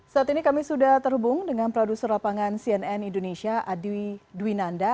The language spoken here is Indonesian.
saat ini kami sudah terhubung dengan produser lapangan cnn indonesia adwi dwinanda